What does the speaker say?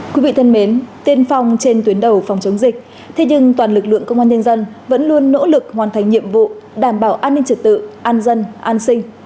quý vị thân mến tiên phong trên tuyến đầu phòng chống dịch thế nhưng toàn lực lượng công an nhân dân vẫn luôn nỗ lực hoàn thành nhiệm vụ đảm bảo an ninh trật tự an dân an sinh